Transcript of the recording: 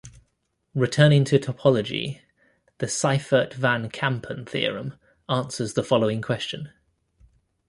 Returning to topology, the Seifert-van Kampen theorem answers the following question.